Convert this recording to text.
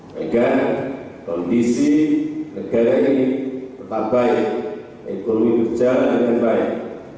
pegang kondisi negara ini tetap baik ekonomi berjalan dengan baik